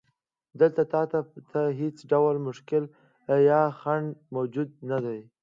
دلته تا ته هیڅ ډول مشکل یا خنډ موجود نه دی.